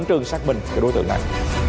đã bị chết cháy